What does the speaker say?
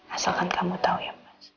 asalkan kamu tahu ya